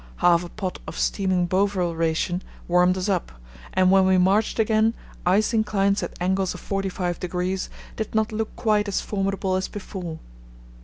Half a pot of steaming Bovril ration warmed us up, and when we marched again ice inclines at angles of 45 degrees did not look quite as formidable as before.